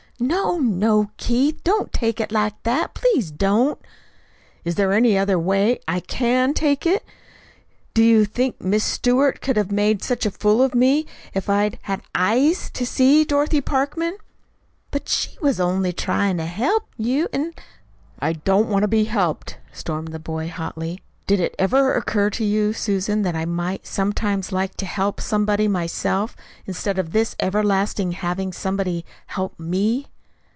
"No, no, Keith, don't take it like that please don't!" "Is there any other way I CAN take it? Do you think 'Miss Stewart' could have made such a fool of me if I'd had EYES to see Dorothy Parkman?" "But she was only tryin' to HELP you, an' " "I don't want to be 'helped'!" stormed the boy hotly. "Did it ever occur to you, Susan, that I might sometimes like to HELP somebody myself, instead of this everlastingly having somebody help me?"